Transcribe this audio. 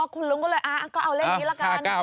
คุณลุงก็เลยก็เอาเลขนี้ละกัน